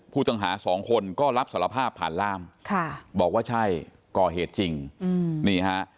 ผู้ต้องหาสองคนก็รับสารภาพผ่านล่ามบอกว่าใช่ก่อเหตุจริงนี่ฮะ